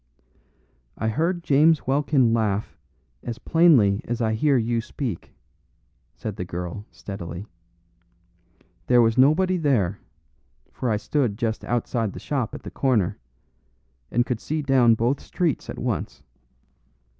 "I heard James Welkin laugh as plainly as I hear you speak," said the girl, steadily. "There was nobody there, for I stood just outside the shop at the corner, and could see down both streets at once.